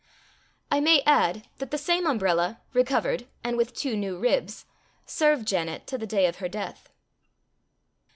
I may add, that the same umbrella, recovered, and with two new ribs, served Janet to the day of her death.